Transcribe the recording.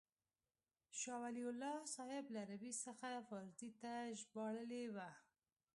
شاه ولي الله صاحب له عربي څخه فارسي ته ژباړلې وه.